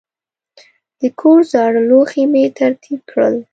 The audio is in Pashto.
د کور زاړه لوښي مې ترتیب کړل.